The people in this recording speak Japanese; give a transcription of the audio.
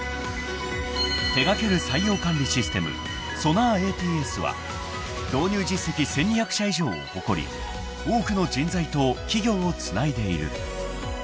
［手掛ける採用管理システム「ｓｏｎａｒＡＴＳ」は導入実績１，２００社以上を誇り多くの人材と企業をつないでいる］